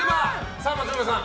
さあ、松村さん。